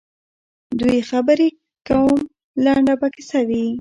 دوی خبري کوم لنډه به کیسه وي